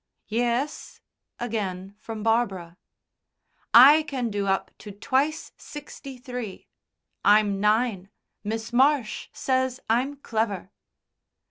"Yes," again from Barbara. "I can do up to twice sixty three. I'm nine. Miss Marsh says I'm clever."